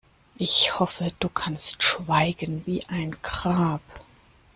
Ich hoffe, du kannst schweigen wie ein Grab.